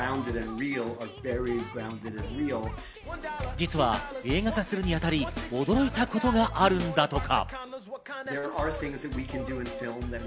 実は映画化するにあたり驚いたことがあるんだとか。